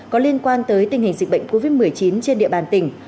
có liên quan tới tình hình dịch bệnh covid một mươi chín trên địa bàn tỉnh